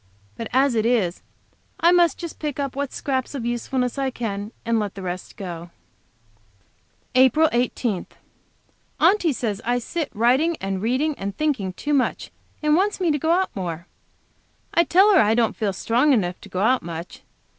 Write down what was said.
But as it is, I must just pick up what scraps of usefulness I can, and let the rest go. APRIL 18. Aunty says I sit writing and reading and thinking too much, and wants me to go out more. I tell her I don't feel strong enough to go out much.